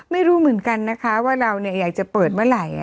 ไม่รู้เหมือนกันนะคะว่าเราอยากจะเปิดเมื่อไหร่